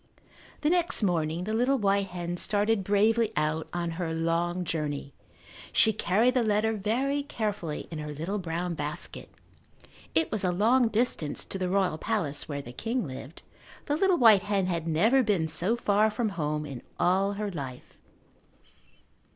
The next morning the little white hen started bravely out on her long journey. She carried the letter very carefully in her little brown basket. It was a long distance to the royal palace where the king lived. The little white hen had never been so far from home in all her life.